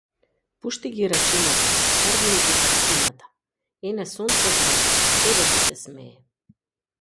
Пушти ги рачињата, мрдни ги прстињата, ене сонце грее, тебе ти се смее.